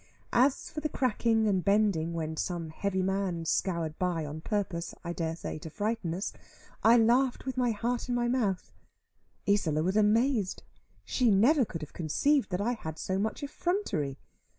As for the cracking and bending when some heavy man scoured by, on purpose, I dare say, to frighten us, I laughed with my heart in my mouth. Isola was amazed. She never could have conceived that I had so much effrontery.